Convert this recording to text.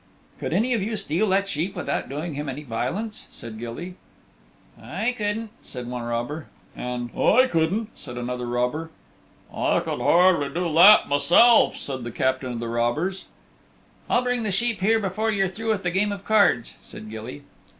"Could any of you steal that sheep without doing him any violence?" said Gilly. "I couldn't," said one robber, and "I couldn't," said another robber. "I could hardly do that myself," said the Captain of the Robbers. "I'll bring the sheep here before you're through with the game of cards," said Gilly.